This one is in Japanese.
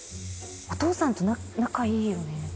お父さんと仲いいよね。